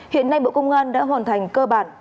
hiện nay bộ công an đã hoàn thành cơ bản